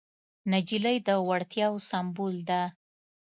نجلۍ د وړتیاوو سمبول ده.